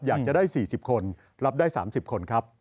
อยากจะได้๔๐คนรับได้๓๐คนครับ